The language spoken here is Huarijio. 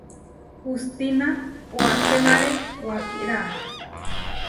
Hustína koačénare wakirá.